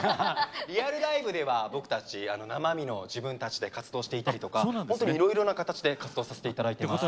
リアルライブでは僕たち生身の自分たちで活動していたりとかほんとにいろいろな形で活動させて頂いてます。